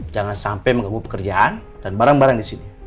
jangan sampai mengebuk pekerjaan dan barang barang di sini